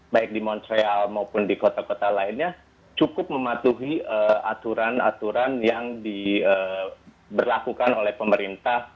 baik di montreal maupun di kota kota lainnya cukup mematuhi aturan aturan yang diberlakukan oleh pemerintah